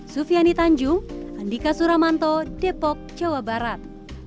sufiani tanjung andika suramanto depok jawa barat